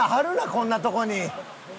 こんなとこに。